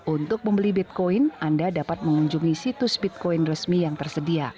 untuk membeli bitcoin anda dapat mengunjungi situs bitcoin resmi yang tersedia